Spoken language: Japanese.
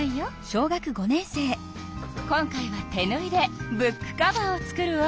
今回は手ぬいでブックカバーを作るわ。